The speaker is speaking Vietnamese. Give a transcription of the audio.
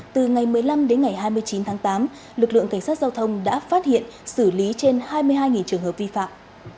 từ ngày một mươi năm đến ngày hai mươi chín tháng tám lực lượng cảnh sát giao thông đã phát hiện xử lý trên hai mươi hai trường hợp vi phạm